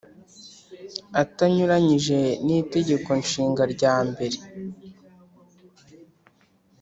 atanyuranyije n Itegeko Nshinga rya mbere